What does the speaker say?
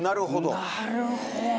なるほど。